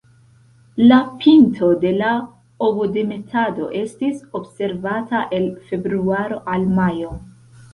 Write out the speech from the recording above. La pinto de la ovodemetado estis observata el februaro al majo.